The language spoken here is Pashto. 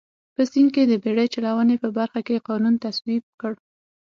په سیند کې د بېړۍ چلونې په برخه کې قانون تصویب کړ.